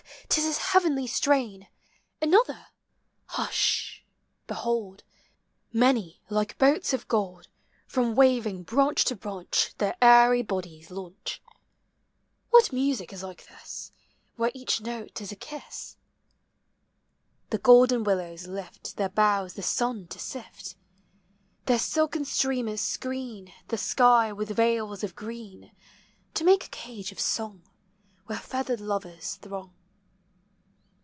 't is his heavenly strain, Another ! Hush ! Behold, many, like boats of gold, From waving branch to branch their airy bodies launch. What music is like this, where each note is a kiss? The golden willows lift their boughs the sun to sift: Their silken streamers screen the sky with veils of green, To make a cage of song, where feathered lovers throng.